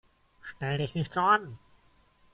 Stell dich nicht so an!